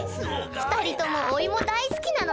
二人ともお芋大好きなのね。